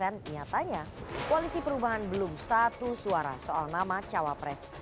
nyatanya koalisi perubahan belum satu suara soal nama cawapres